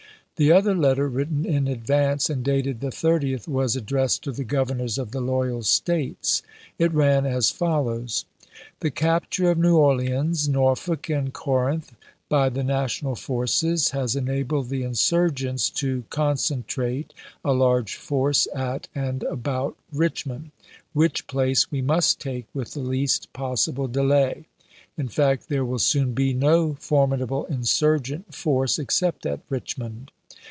The other letter, written in advance and June, 1862. dated the 30th, was addressed to the governors of the loyal States. It ran as follows : The capture of New Orleans, Norfolk, and Corinth by the National forces has enabled the insurgents to concen trate a large force at and about Richmond, which place we must take with the least possible delay ; in fact, there will soon be no formidable insurgent force except at Richmond.